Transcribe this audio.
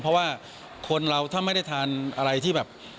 เพราะว่าคนเราถ้าไม่ได้ทานอะไรที่แบบ